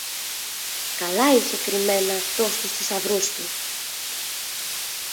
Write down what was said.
Καλά είχε κρυμμένα αυτός τους θησαυρούς του!